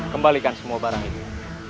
kembalikan semua barang ini